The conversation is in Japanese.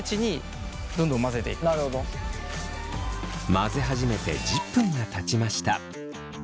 混ぜ始めて１０分がたちました。